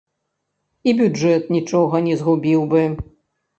І бюджэт нічога не згубіў бы.